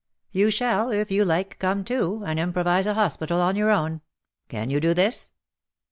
You shall if you like come too, and improvize a hospital on your own. Can you do this